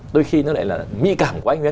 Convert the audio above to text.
đôi khi nó lại là mỹ cảm quá anh nguyễn ạ